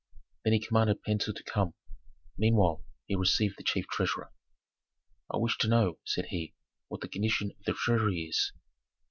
Then he commanded Pentuer to come; meanwhile he received the chief treasurer. "I wish to know," said he, "what the condition of the treasury is."